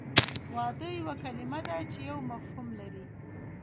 واده یوه کلمه ده چې یو مفهوم لري